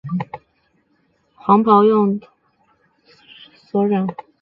皇帝的黄袍用柘黄所染。